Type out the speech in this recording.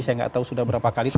saya nggak tahu sudah berapa kali